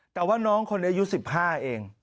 แต่ว่าน้องคนนี้อายุ๑๕เอง